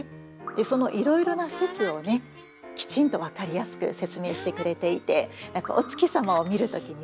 そのいろいろな説をきちんと分かりやすく説明してくれていて何かお月様を見る時にね